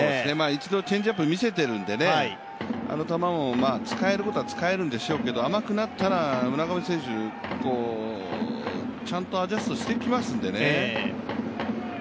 一度チェンジアップ見せてるんで、あの球、使えることは使えるんでしょうけど甘くなったら、村上選手、ちゃんとアジャストしてきますんでね。